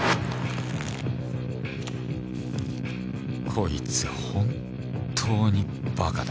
こいつ本当にバカだ